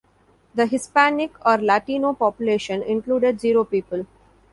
The Hispanic or Latino population included zero people.